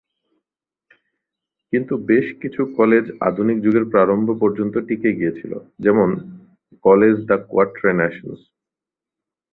কিন্তু বেশ কিছু কলেজ আধুনিক যুগের প্রারম্ভ পর্যন্ত টিকে গিয়েছিল, যেমন কলেজ দ্যা কোয়াট্রে-ন্যাশন্স।